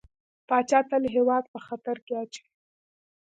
پاچا تل هيواد په خطر کې اچوي .